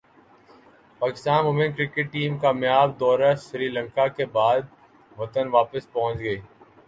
Pakistan women cricket team کامیاب دورہ سری لنکا کے بعد وطن واپس پہنچ گئی